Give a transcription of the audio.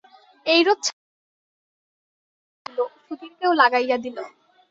এইরূপ ছাত্রী-সন্ধানে সে নিজেও লাগিল, সুধীরকেও লাগাইয়া দিল।